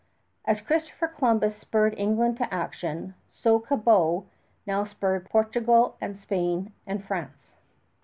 As Christopher Columbus spurred England to action, so Cabot now spurred Portugal and Spain and France.